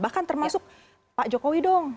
bahkan termasuk pak jokowi dong